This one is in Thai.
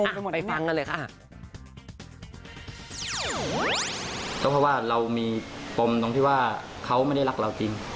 แน่นอนใช่รึงคร่าวนะคะ